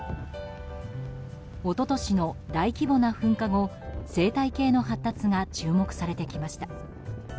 一昨年の大規模な噴火後生態系の発達が注目されてきました。